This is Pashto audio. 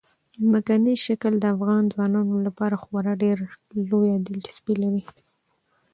ځمکنی شکل د افغان ځوانانو لپاره خورا ډېره لویه دلچسپي لري.